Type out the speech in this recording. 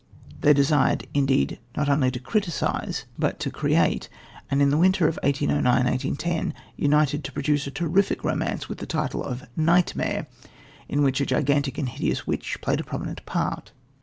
They desired, indeed, not to criticise but to create, and in the winter of 1809 1810 united to produce a terrific romance, with the title Nightmare, in which a gigantic and hideous witch played a prominent part.